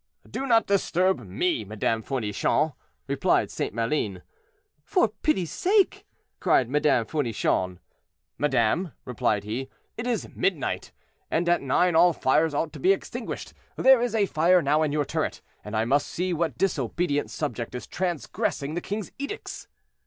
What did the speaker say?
"Do not disturb me, Madame Fournichon," replied St. Maline. "For pity's sake!" cried Madame Fournichon. "Madame," replied he, "it is midnight, and at nine all fires ought to be extinguished; there is a fire now in your turret, and I must see what disobedient subject is transgressing the king's edicts."